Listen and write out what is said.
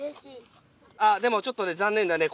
でもちょっとね残念だね。